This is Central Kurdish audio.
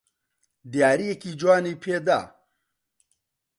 دیارییەکی جوانی پێ دا.